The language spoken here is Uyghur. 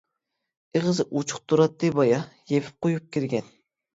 ئېغىزى ئوچۇق تۇراتتى بايا، يېپىپ قويۇپ كىرگىن.